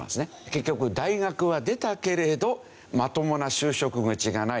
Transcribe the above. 結局大学は出たけれどまともな就職口がないというのが